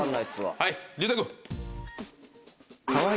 はい。